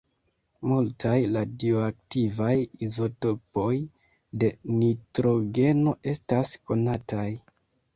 Multaj radioaktivaj izotopoj de nitrogeno estas konataj.